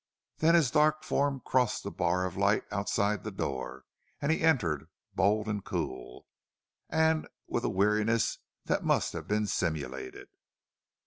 Then his dark form crossed the bar of light outside the door, and he entered, bold and cool, and with a weariness that must have been simulated.